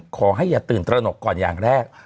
อย่าตื่นตระหนกก่อนอย่างแรก